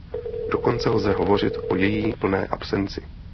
Dokonce lze hovořit o její plné absenci.